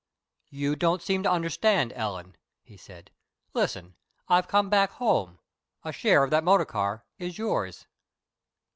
"You don't seem to understand, Ellen," he said. "Listen. I've come back home. A share of that motor car is yours."